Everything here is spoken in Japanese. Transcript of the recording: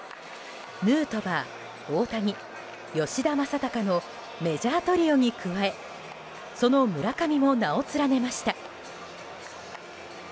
ヌートバー、大谷、吉田正尚のメジャートリオに加えその村上も名を連ねました。